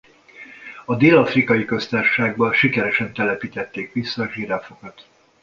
A Dél-afrikai Köztársaságba sikeresen telepítették vissza a zsiráfokat.